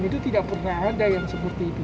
itu tidak pernah ada yang seperti itu